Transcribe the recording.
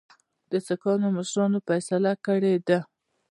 د سیکهانو مشرانو فیصله کړې ده.